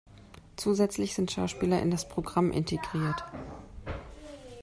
Zusätzlich sind Schauspieler in das Programm integriert.